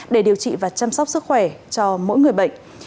để điều trị và chăm sóc sức khỏe cho mỗi người bệnh